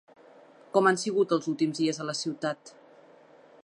Com han sigut els últims dies a la ciutat?